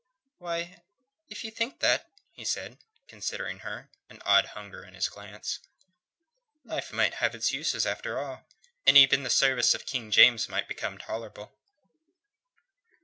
"Why... if ye think that," he said, considering her, an odd hunger in his glance, "life might have its uses, after all, and even the service of King James might become tolerable."